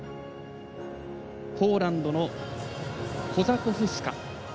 ポーランドのコザコフスカ。